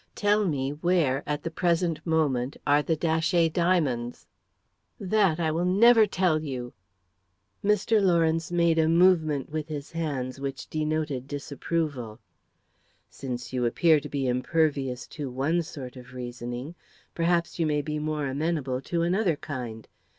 Tell me where, at the present moment, are the Datchet diamonds?" "That I will never tell you." Mr. Lawrence made a movement with his hands which denoted disapproval. "Since you appear to be impervious to one sort of reasoning, perhaps you may be more amenable to another kind.